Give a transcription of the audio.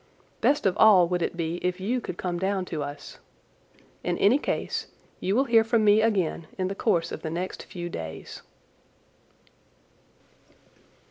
Best of all would it be if you could come down to us. In any case you will hear from me again in the course of the next few days.